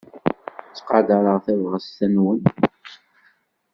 Ttqadareɣ tabɣest-nwen.